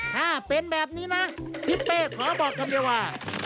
ถ้าเป็นแบบนี้นะทิศเป้ขอบอกคำเดียวว่า